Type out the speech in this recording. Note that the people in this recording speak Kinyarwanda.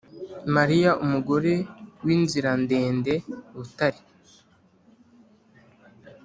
mariya umugore w’inzirandende, butare